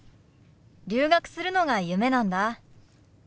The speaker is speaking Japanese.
留学するのが夢なんだ。